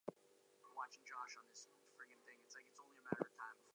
When Taylor resigned in August of that year, Blah briefly succeeded him as president.